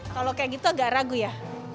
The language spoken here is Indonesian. kalau kayak gitu agak ragu ya